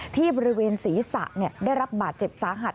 ที่บริเวณศีรษะได้รับบาดเจ็บสาหัส